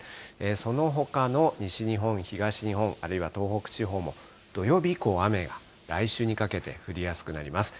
そのほかの西日本、東日本、あるいは東北地方も、土曜日以降、雨が来週にかけて降りやすくなります。